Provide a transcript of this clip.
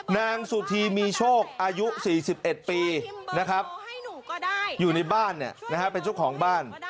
นางสุธีมีโชคอายุ๔๑ปีนะครับอยู่ในบ้านเนี่ยนะฮะเป็นชุของบ้าน